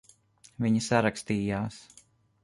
Viņi sarakstījās.